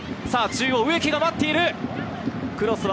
中央、植木が待っている。